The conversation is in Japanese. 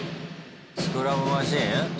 スクラムマシン？特製の。